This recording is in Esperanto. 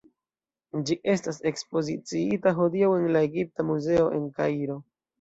Ĝi estas ekspoziciita hodiaŭ en la Egipta Muzeo en Kairo.